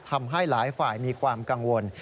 ทำให้หลายฝ่ายมีความกังวล